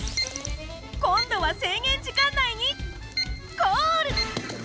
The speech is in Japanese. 今度は制限時間内にゴール！